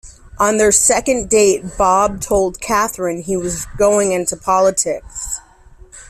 On their second date Bob told Catherine he was going into politics.